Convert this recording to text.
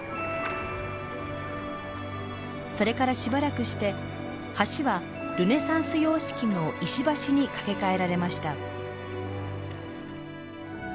それからしばらくして橋はルネサンス様式の石橋に架け替えられました。